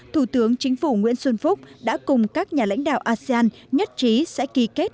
thủ tướng chính phủ nguyễn xuân phúc đã cùng các nhà lãnh đạo asean nhất trí sẽ ký kết